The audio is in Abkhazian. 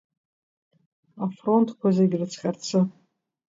Афронтқәа зегьы рыцҟьарцы.